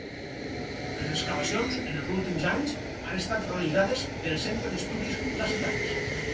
Les excavacions en els últims anys han estat realitzades pel Centre d'Estudis Lacetans.